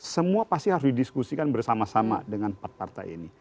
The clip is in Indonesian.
semua pasti harus didiskusikan bersama sama dengan empat partai ini